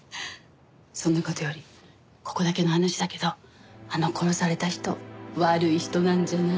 そんな事よりここだけの話だけどあの殺された人悪い人なんじゃない？